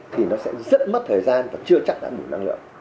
thì nó sẽ rất mất thời gian và chưa chắc đã đủ năng lượng